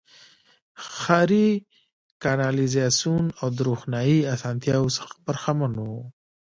ښاري کانالیزاسیون او د روښنايي اسانتیاوو څخه برخمن وو.